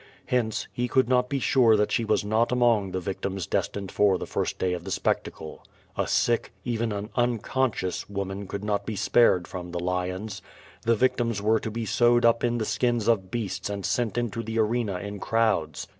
Hence, lie could not be sure that she was not among the victims destined for the first day of the spectacle. A sick, even an uncon scious, woman would not be spared from the lions. The vic tims were to be sewed up in the skins of beasts and sent into the arena in crowds.